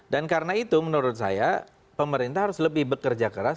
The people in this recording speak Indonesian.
dan karena itu menurut saya pemerintah harus lebih bekerja keras